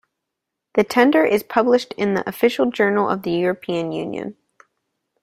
The tender is published in the "Official Journal of the European Union".